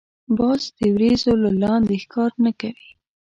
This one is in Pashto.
باز د وریځو له لاندی ښکار نه کوي